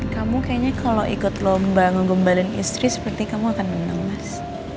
kamu kayaknya kalau ikut lomba ngegembalin istri seperti kamu akan menang mas